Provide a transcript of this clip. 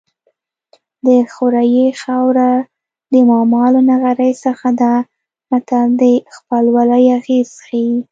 د خوریي خاوره د ماما له نغري څخه ده متل د خپلوۍ اغېز ښيي